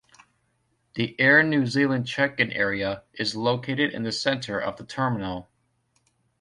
The Air New Zealand check-in area is located in the centre of the terminal.